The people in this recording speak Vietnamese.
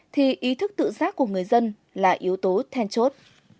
thì ý thức tự giác của người dân là yếu tố then chốt